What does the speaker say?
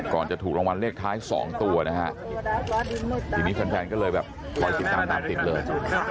จะถูกรางวัลเลขท้าย๒ตัวนะฮะทีนี้แฟนก็เลยแบบคอยติดตามตามติดเลย